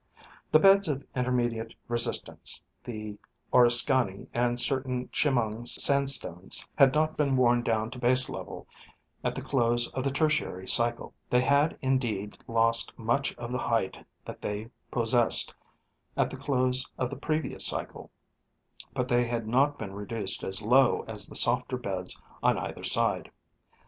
The beds of intermediate resistance, the Oriskany and certain Chemung sandstones, had not been worn down to baselevel at the close of the Tertiary cycle ; they had indeed lost much of the height that they possessed at the close of the previous cycle, but they had not been reduced as low as the softer beds on either side.